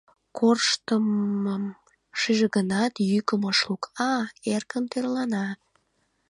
Корштымым шиже гынат, йӱкым ыш лук: «А-а, эркын тӧрлана».